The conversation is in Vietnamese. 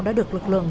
đã được lực lượng